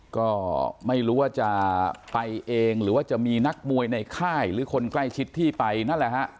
ก็ไม่รู้ว่าจะไปเองหรือว่าจะมีนักมวยในค่ายหรือคนใกล้ชิดที่ไปนั่นแหละฮะ